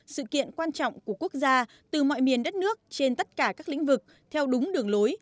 sự kiện quan trọng của quốc gia từ mọi miền đất nước trên tất cả các lĩnh vực theo đúng đường lối